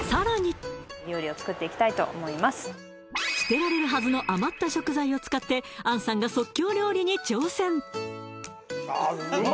ああ捨てられるはずの余った食材を使って杏さんが即興料理に挑戦